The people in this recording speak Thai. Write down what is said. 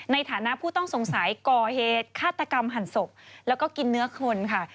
ในฐานะผู้ต้องสงสัยก่อเหตุฆาตกรรมหั่นศพแล้วก็กินเนื้อคนค่ะ